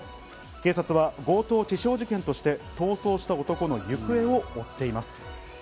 警察は強盗致傷事件として、逃走した男の行方を追っています。